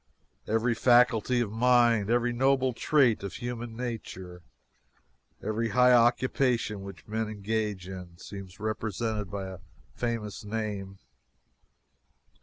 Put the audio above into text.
Every faculty of mind, every noble trait of human nature, every high occupation which men engage in, seems represented by a famous name.